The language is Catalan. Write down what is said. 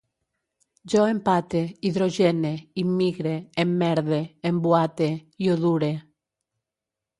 Jo empate, hidrogene, immigre, emmerde, embuate, iodure